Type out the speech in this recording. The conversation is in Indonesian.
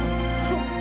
kamu dengan aku